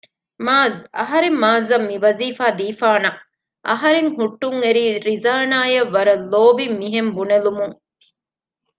މާޒް! އަހަރެން މާޒްއަށް މިވަޒީފާ ދީފާނަށް އަހަރެން ހުއްޓުންއެރީ ރިޒާނާ ވަރަށް ލޯބިން މިހެން ބުނެލުމުން